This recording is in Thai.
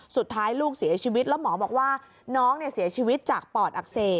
สุดท้ายลูกเสียชีวิตแล้วหมอบอกว่าน้องเสียชีวิตจากปอดอักเสบ